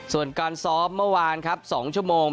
ส่วนการซ้อมเมื่อวานครับ๒ชั่วโมง